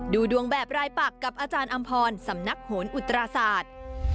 ดูดวงแบบรายปักกับอาจารย์อำพรสำนักโหนอุตราศาสตร์